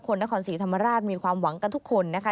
คนนครศรีธรรมราชมีความหวังกันทุกคนนะคะ